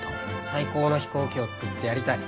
最高の飛行機を作ってやりたい。